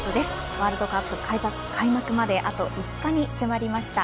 ワールドカップ開幕まであと５日に迫りました。